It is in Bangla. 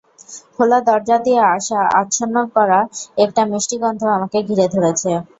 খোলা দরজা দিয়ে আসা আচ্ছন্ন করা একটা মিষ্টি গন্ধ আমাকে ঘিরে ধরেছে।